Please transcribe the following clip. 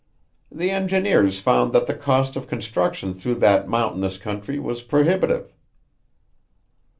The engineers found that the cost of construction through that mountainous country was prohibitive."